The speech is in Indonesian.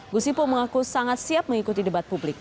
gusipu mengaku sangat siap mengikuti debat publik